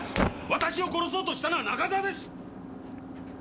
私を殺そうとしたのは中澤です！！